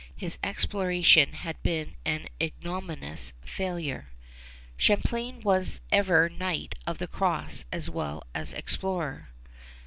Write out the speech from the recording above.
His exploration had been an ignominious failure. Champlain was ever Knight of the Cross as well as explorer.